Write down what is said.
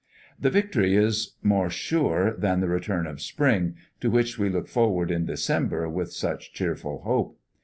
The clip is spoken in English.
This victory is more sure than the return of spring, to which we look forward in December with such cheerful hope.